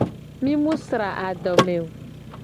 Mi mu sra adome o.